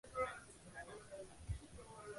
杜宾球孢虫为球孢科球孢虫属的动物。